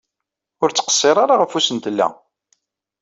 Ur ttqessir ara ɣef usentel-a.